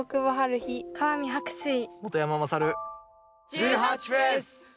１８祭！